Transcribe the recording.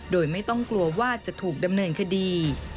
โดยไม่ต้องกลัวว่าจะถูกดำเนินคดี